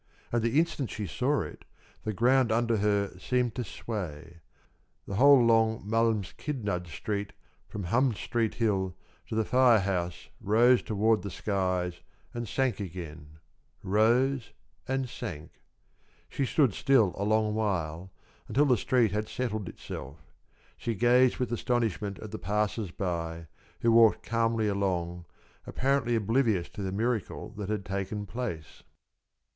And the instant she saw it, the ground under her seemed to sway. The whole long Malmskillnad Street from Hamn Street Hill to the fire house rose toward the skies and sank again rose and sank. She stood still a long while, until the street had settled itself. She gazed with astonishment at the passers by, who walked calmly along, apparently oblivious to the miracle that had taken place.